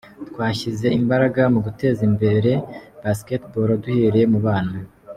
Twashyize imbaraga mu guteza imbere Basketball duhereye mu bana.